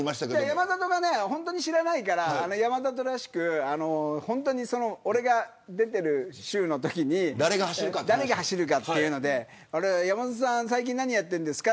山里は本当に知らないから山里らしく俺が出てる週のときに誰が走るかというので山里さん最近何やってるんですか。